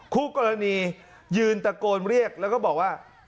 คู่กรณียืนตะโกนเรียกแล้วก็บอกว่า